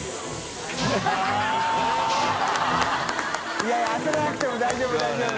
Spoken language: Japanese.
い笋い焦らなくても大丈夫大丈夫。